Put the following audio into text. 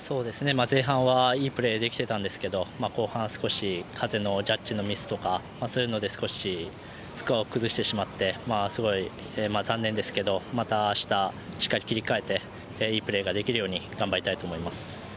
前半はいいプレーできてたんですけど後半は風のジャッジのミスとかそういうのでスコアを崩してしまってすごい残念ですけどまた、明日しっかり切り替えていいプレーができるようにしたいと思います。